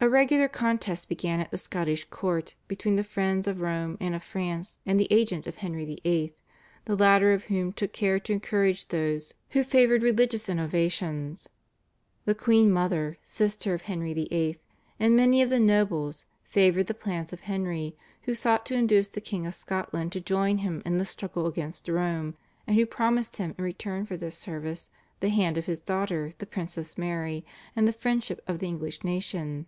A regular contest began at the Scottish court between the friends of Rome and of France and the agents of Henry VIII., the latter of whom took care to encourage those who favoured religious innovations. The queen mother, sister of Henry VIII., and many of the nobles favoured the plans of Henry, who sought to induce the King of Scotland to join him in the struggle against Rome, and who promised him in return for this service the hand of his daughter the Princess Mary and the friendship of the English nation.